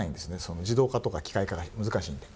自動化とか機械化が難しいんで。